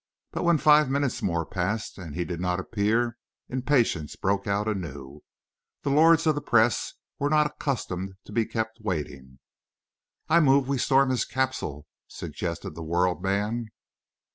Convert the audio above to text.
But when five minutes more passed and he did not appear, impatience broke out anew. The lords of the press were not accustomed to being kept waiting. "I move we storm his castle," suggested the World man.